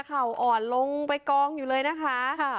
อ่อนลงไปกองอยู่เลยนะคะ